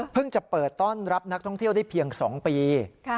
จะเปิดต้อนรับนักท่องเที่ยวได้เพียง๒ปี